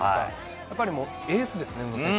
やっぱり、エースですね、宇野選手。